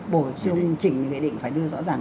bổ trung chỉnh định phải đưa rõ ràng